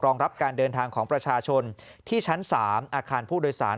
รองรับการเดินทางของประชาชนที่ชั้น๓อาคารผู้โดยสาร